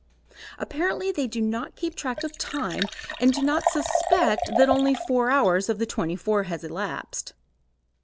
Apparently they do not keep track of time and do not suspect that only four hours of the 24 have elapsed.